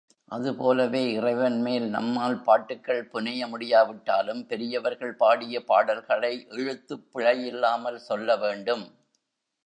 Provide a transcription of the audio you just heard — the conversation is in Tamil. அதுபோலவே இறைவன்மேல் நம்மால் பாட்டுக்கள் புனைய முடியாவிட்டாலும் பெரியவர்கள் பாடிய பாடல்களை எழுத்துப் பிழையில்லாமல் சொல்ல வேண்டும்.